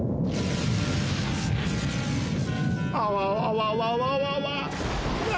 あわわわわわわわな